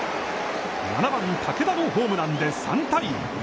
７番武田のホームランで３対１。